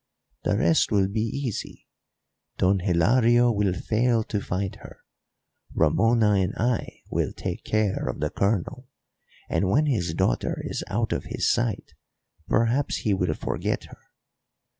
The rest will be easy. Don Hilario will fail to find her; Ramona and I will take care of the Colonel, and when his daughter is out of his sight perhaps he will forget her.